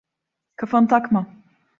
Kafanı takma.